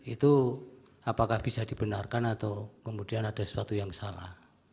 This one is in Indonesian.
itu apakah bisa dibenarkan atau kemudian ada sesuatu yang salah